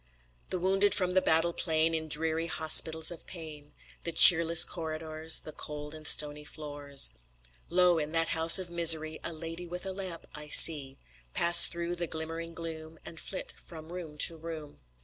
The wounded from the battle plain, In dreary hospitals of pain, The cheerless corridors, The cold and stony floors. Lo! in that house of misery A lady with a lamp I see Pass through the glimmering gloom And flit from room to room.